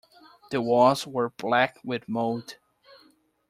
The walls were black with mould.